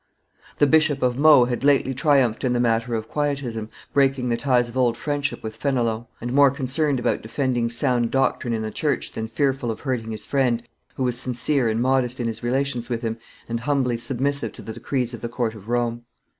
The Bishop of Meaux had lately triumphed in the matter of Quietism, breaking the ties of old friendship with Fenelon, and more concerned about defending sound doctrine in the church than fearful of hurting his friend, who was sincere and modest in his relations with him, and humbly submissive to the decrees of the court of Rome.